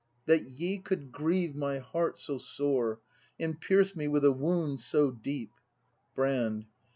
That ye could grieve my heart so sore. And pierce me with a wound so deep! Brand.